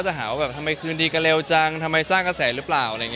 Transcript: ก็จะหาว่าทำไมคือดีกะเลวจังทำไมสร้างกระแสหรือเปล่า